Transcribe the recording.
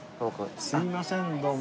すいませんどうも。